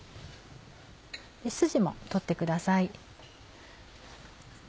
スジも取ってください。